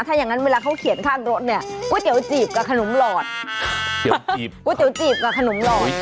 ถ้าอย่างนั้นเวลาเขาเขียนข้างรถเนี่ยก๋วยเตี๋ยวจีบกับขนมหลอดก๋วยเตี๋ยวจีบกับขนมหลอด